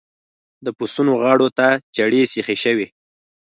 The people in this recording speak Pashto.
د پسونو غاړو ته چړې سيخې شوې.